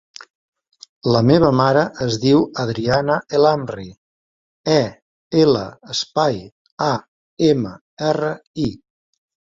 La meva mare es diu Adriana El Amri: e, ela, espai, a, ema, erra, i.